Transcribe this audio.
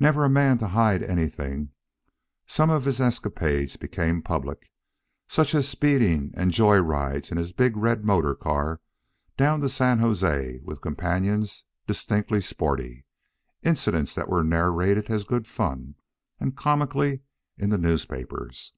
Never a man to hide anything, some of his escapades became public, such as speeding, and of joy rides in his big red motor car down to San Jose with companions distinctly sporty incidents that were narrated as good fun and comically in the newspapers.